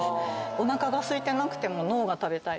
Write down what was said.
おなかがすいてなくても脳が食べたい。